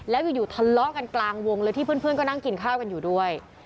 แล้วอยู่ทะเลาะกันกลางวงเลยที่เพื่อนก็นั่งกินข้าวกันอยู่ด้วย